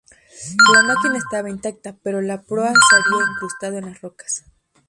La máquina estaba intacta, pero la proa se había incrustado en las rocas.